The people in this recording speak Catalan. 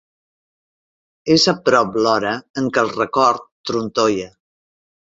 És a prop l'hora en què el record trontolla.